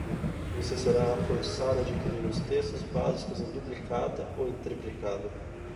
Você será forçado a adquirir os textos básicos em duplicata ou em triplicado?